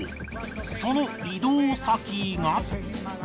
その移動先が。